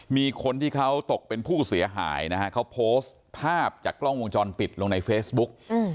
มีคนที่เขาตกเป็นผู้เสียหายนะฮะเขาโพสต์ภาพจากกล้องวงจรปิดลงในเฟซบุ๊ก